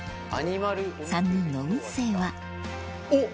３人の運勢はおっ！